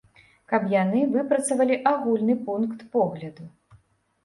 Каб яны выпрацавалі агульны пункт погляду.